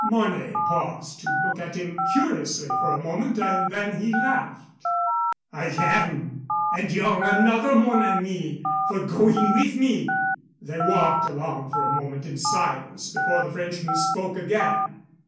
Mornay paused to look at him curiously for a moment, and then he laughed. "I am. And you're another, mon ami, for going with me." They walked along for a moment in silence before the Frenchman spoke again.